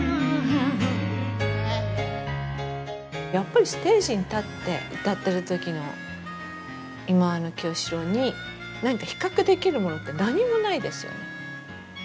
やっぱりステージに立って歌ってる時の忌野清志郎に何か比較できるものって何もないですよね。